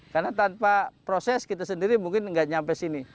karena tanpa proses kita sendiri mungkin nggak sampai sini